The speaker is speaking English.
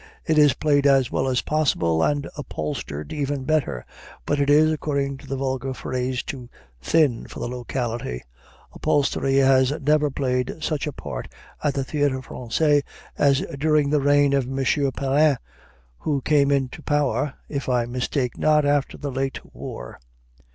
It is played as well as possible, and upholstered even better; but it is, according to the vulgar phrase, too "thin" for the locality. Upholstery has never played such a part at the Théâtre Français as during the reign of M. Perrin, who came into power, if I mistake not, after the late war.